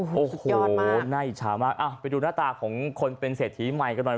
โอ้โหน่าอิจฉามากไปดูหน้าตาของคนเป็นเศรษฐีใหม่กันหน่อย